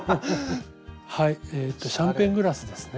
はいえっとシャンパングラスですね。